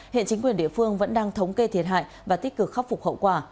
hiện chính quyền địa phương vẫn đang thống kê thiệt hại và tích cực khắc phục hậu quả